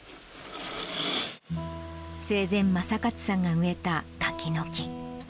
生前、正勝さんが植えた柿の木。